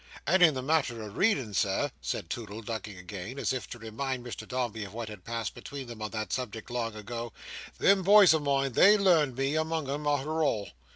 And in the matter o readin', Sir," said Toodle, ducking again, as if to remind Mr Dombey of what had passed between them on that subject long ago, "them boys o' mine, they learned me, among 'em, arter all.